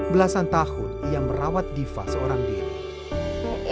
belasan tahun ia merawat diva seorang diri